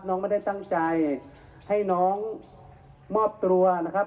น้องไม่ได้ตั้งใจให้น้องมอบตัวนะครับ